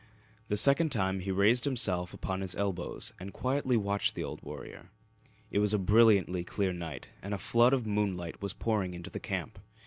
The second time he raised himself upon his elbows and quietly watched the old warrior. It was a brilliantly clear night and a flood of moonlight was pouring into the camp.